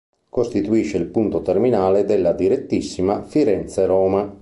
Costituisce il punto terminale della "direttissima" Firenze-Roma.